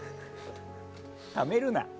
ためるな。